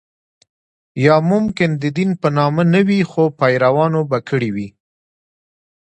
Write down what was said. یا ممکن د دین په نامه نه وي خو پیروانو به کړې وي.